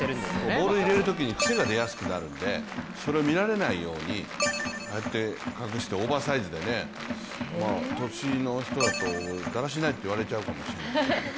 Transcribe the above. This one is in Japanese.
ボールを入れるときに癖が出やすくなるのでそれを見られないようにああやって隠してオーバーサイズでね、年の人からはだらしないって言われちゃうかもしれない。